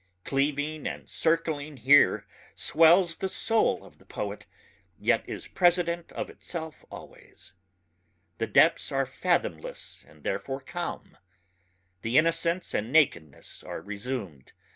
Cleaving and circling here swells the soul of the poet yet is president of itself always. The depths are fathomless and therefore calm. The innocence and nakedness are resumed ...